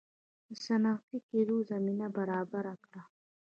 صنعتي کېدو زمینه برابره کړه.